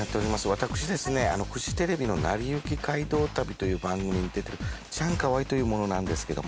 私ですねフジテレビの『なりゆき街道旅』という番組に出てるチャンカワイという者なんですけども。